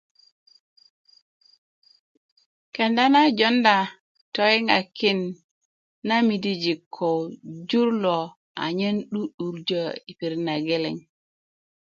kenda na jowunda tiyiŋaki na midijin ko jur lo anyen 'du'durjö yi pirit na geleŋ